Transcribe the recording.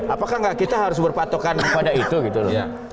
apakah gak kita harus berpatokan kepada itu gitu loh